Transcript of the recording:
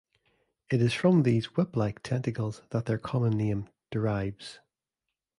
It is from these 'whip-like' tentacles that their common name derives.